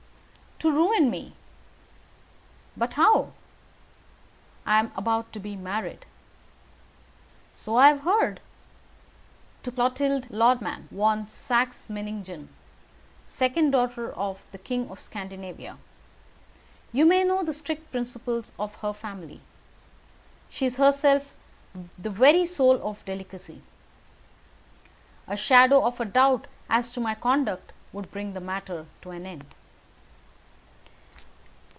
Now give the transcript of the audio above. "To ruin me." "But how?" "I am about to be married." "So I have heard." "To Clotilde Lothman von Saxe Meiningen, second daughter of the King of Scandinavia. You may know the strict principles of her family. She is herself the very soul of delicacy. A shadow of a doubt as to my conduct would bring the matter to an end."